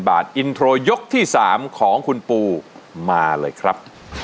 บาทอินโทรยกที่๓ของคุณปูมาเลยครับ